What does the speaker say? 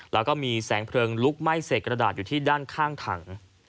แล้วก็มีแสงเพลิงลุกไหม้เศษกระดาษอยู่ที่ด้านข้างถัง